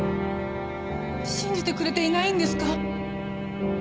信じてくれていないんですか？